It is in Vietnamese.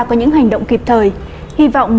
có những hành động kịp thời hy vọng